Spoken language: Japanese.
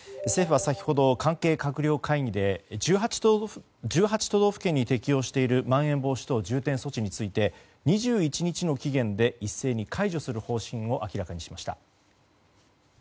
政府は先ほど関係閣僚会議で１８都道府県に適用しているまん延防止等重点措置について２１日の期限で一斉に解除する方針を明らかにしました。